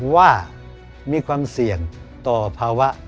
ว่ามีความเสี่ยงต่อภาวะ